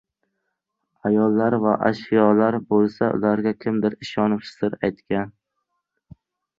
Ayollar va ashyolar bo‘lsa ularga kimdir ishonib sir aytgan